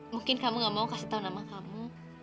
mungkin kamu gak mau kasih tahu nama kamu